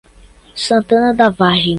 Santana da Vargem